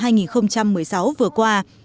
năm hai nghìn một mươi sáu vừa qua